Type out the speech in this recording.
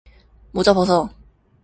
모자 벗어.